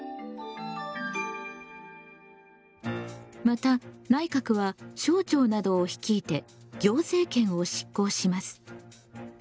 また内閣は省庁などを率いて行政権を執行します。